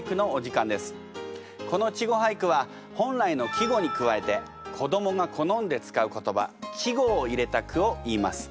この稚語俳句は本来の季語に加えて子どもが好んで使う言葉稚語を入れた句をいいます。